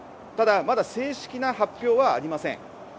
ただまだ正式な発表はありません。